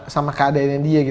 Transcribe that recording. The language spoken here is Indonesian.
seneng sama keadaannya dia